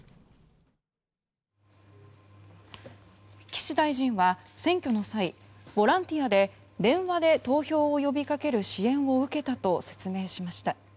岸大臣は選挙の際ボランティアで電話で投票を呼び掛ける支援を受けたと説明しました。